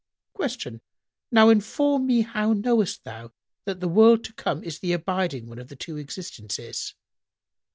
Q "Now inform me how knowest thou that the world to come is the abiding one of the two existences?"